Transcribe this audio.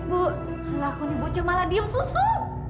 bu laku nih boco malah diem susu